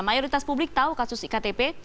mayoritas publik tahu kasus iktp